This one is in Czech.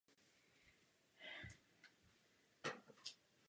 Nedávno jsme zaznamenali určité problémy v souvislosti s konkurenčními soubory.